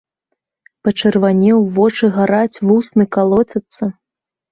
Пачырванеў, вочы гараць, вусны калоцяцца.